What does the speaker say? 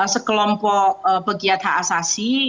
sekelompok pegiat h a sasyi